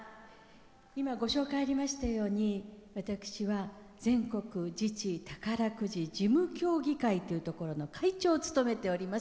ご紹介にありましたように私は全国自治宝くじ事務協議会というところの会長を務めております。